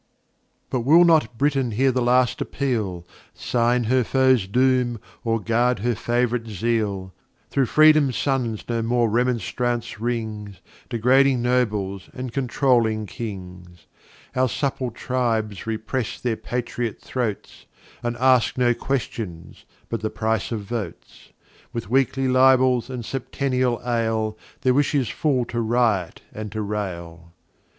[Footnote e: Ver. 56 107.] But will not Britain hear the last Appeal, Sign her Foes Doom, or guard her Fav'rites Zeal; Through Freedom's Sons no more Remonstrance rings; Degrading Nobles and controuling Kings; Our supple Tribes repress their Patriot Throats, And ask no Questions but the Price of Votes; With Weekly Libels and Septennial Ale, Their Wish is full to riot and to rail.